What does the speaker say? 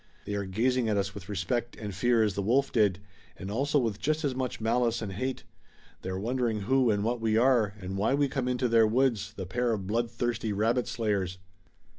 They are gazing at us with respect and fear as the wolf did, and also with just as much malice and hate. They're wondering who and what we are, and why we come into their woods, the pair of bloodthirsty rabbit slayers."